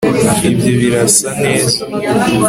Ibyo birasa neza